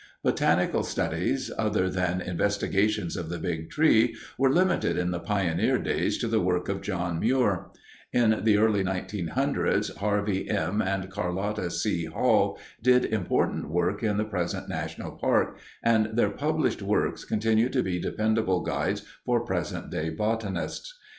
Botanical studies other than investigations of the Big Tree were limited in the pioneer days to the work of John Muir. In the early 1900's, Harvey M. and Carlotta C. Hall did important work in the present national park, and their published Works continue to be dependable guides for present day botanists.